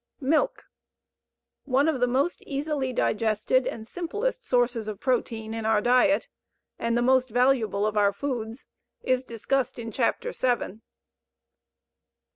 Milk, one of the most easily digested and simplest sources of protein in our diet and the most valuable of our foods, is discussed in Chapter VII.